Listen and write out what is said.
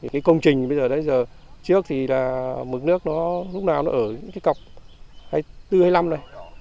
cái công trình bây giờ trước thì là mực nước nó lúc nào nó ở cái cọc bốn hay năm này